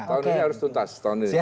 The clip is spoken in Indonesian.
tahun ini harus tuntas